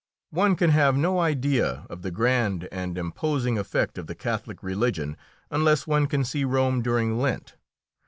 One can have no idea of the grand and imposing effect of the Catholic religion unless one can see Rome during Lent.